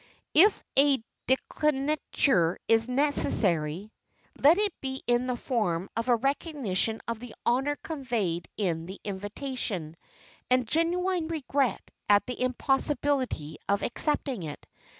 If a declinature is necessary, let it be in the form of a recognition of the honor conveyed in the invitation, and genuine regret at the impossibility of accepting it.